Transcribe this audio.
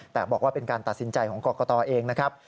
แต่บอกว่าเป็นการตัดสินใจของกรกตเองนะครับ